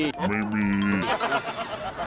ไม่มี